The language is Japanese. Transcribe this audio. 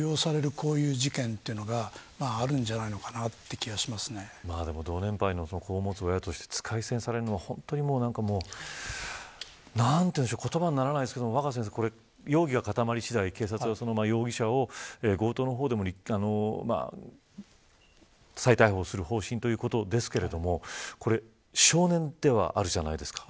こういう事件というのがあるんじゃないのかな同年代の子を持つ親として使い捨てされるのは言葉にならないですけど若狭さん容疑が固まり次第警察は容疑者を強盗の方でも再逮捕する方針ということですが少年じゃないですか。